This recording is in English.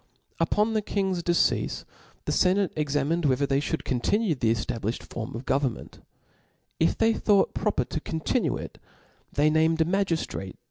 tJpbn the kiqg*5 deceafe the fenate exaniined whe ther they IJiouid continue, the cftabliflied form of . jgovtrnment. If they thought proper to continucl. . it, they iiam(*d a faiigiftrate